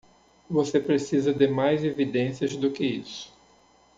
Você precisa de mais evidências do que isso.